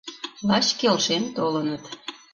Лач келшен толыныт.